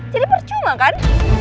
jadi percuma kan